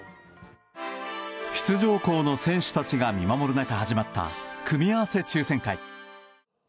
出場校の選手たちが見守る中始まった組み合わせ抽選会。